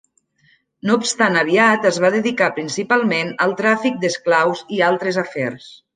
No obstant aviat es va dedicar principalment al tràfic d'esclaus i altres afers.